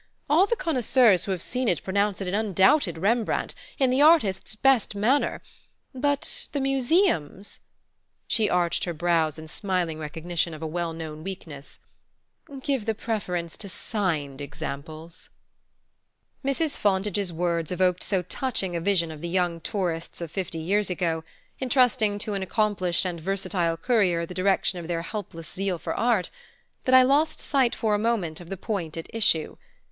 All the connoisseurs who have seen it pronounce it an undoubted Rembrandt, in the artist's best manner; but the museums" she arched her brows in smiling recognition of a well known weakness "give the preference to signed examples " Mrs. Fontage's words evoked so touching a vision of the young tourists of fifty years ago, entrusting to an accomplished and versatile courier the direction of their helpless zeal for art, that I lost sight for a moment of the point at issue.